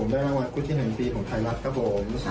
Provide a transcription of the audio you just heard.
ได้รางวัลคู่จิ้นแห่งปีของไทยรัฐครับผม